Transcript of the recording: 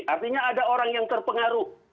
artinya ada orang yang terpengaruh